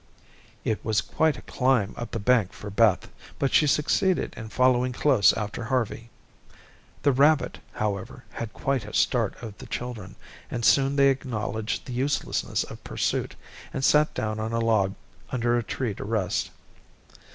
It was quite a climb up the bank for Beth, but she succeeded in following close after Harvey. The rabbit, however, had quite a start of the children, and soon they acknowledged the uselessness of pursuit, and sat down on a log under a tree to rest.